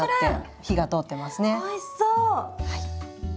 おいしそう。